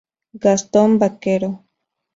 Gastón Baquero.